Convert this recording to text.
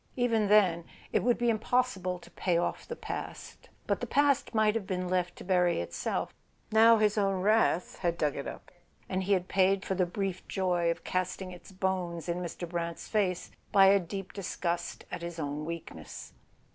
Even then, it would be impossible to pay off the past—but the past might have been left to bury itself. Now his own wrath had dug it up, and he had paid for the brief joy of casting its bones in Mr. Brant's face by a deep disgust at his own weakness.